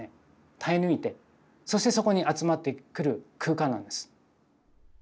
耐え抜いてそしてそこに集まってくる空間なんです。